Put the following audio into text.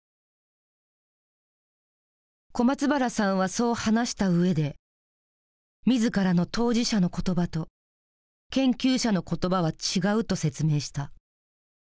小松原さんはそう話した上で自らの「当事者」の言葉と「研究者」の言葉は違うと説明した。